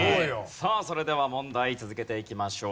さあそれでは問題続けていきましょう。